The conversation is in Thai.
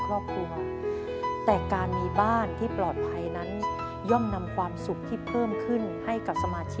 ขอบคุณครับ